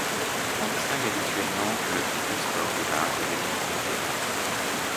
On distingue habituellement les triplestore des bases de données orientées-graphe.